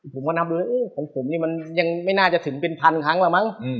ผมก็นับเลยของผมนี่มันยังไม่น่าจะถึงเป็นพันครั้งแล้วมั้ง